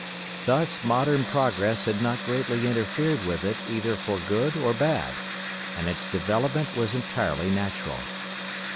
Thus, modern progress had not greatly interfered with it either for good or bad, and its development was entirely natural.